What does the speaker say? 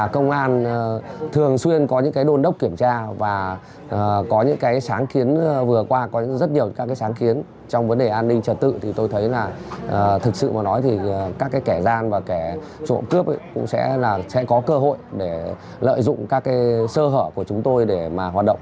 chủ động cướp cũng sẽ có cơ hội để lợi dụng các sơ hở của chúng tôi để hoạt động